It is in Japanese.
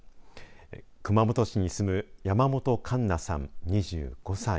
熊本市に住む山本栞奈さん、２５歳。